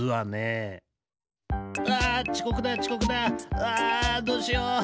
うわどうしよう！